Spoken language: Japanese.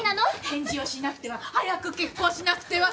返事をしなくては早く結婚しなくては！